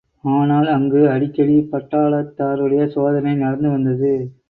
ஆனால் அங்கு அடிக்கடி பட்டாளத்தாருடைய சோதனை நடந்து வந்தது.